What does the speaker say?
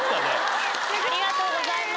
ありがとうございます。